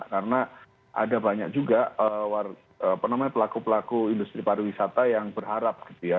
karena ada banyak juga penuhnya pelaku pelaku industri pariwisata yang berharap gitu ya